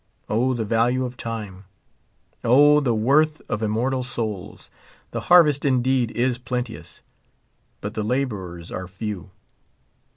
O, the value of time I O, the worth of /immortal souls ! The harvest indeed is plenteous, but the laborers are few.